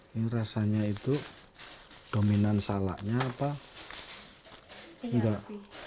ini rasanya itu dominan salaknya apa enggak